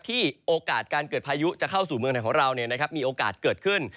โอกาสการเกิดพายุจะเข้าสู่เมืองไทยของเรามีโอกาสเกิดขึ้น